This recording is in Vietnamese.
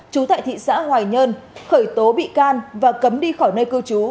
trú tại thị xã hoài nhơn khởi tố bị can và cấm đi khỏi nơi cư trú